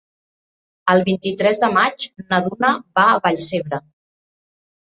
El vint-i-tres de maig na Duna va a Vallcebre.